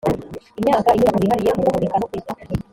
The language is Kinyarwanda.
imyaka inyubako zihariye mu guhunika no kwita